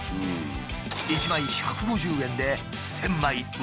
１枚１５０円で１，０００枚売れた。